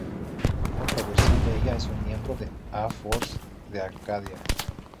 Otra versión de ella es un miembro de A-Force de Arcadia.